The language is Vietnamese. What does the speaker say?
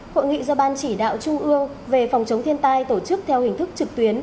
hội nghị do ban chỉ đạo trung ương về phòng chống thiên tai tổ chức theo hình thức trực tuyến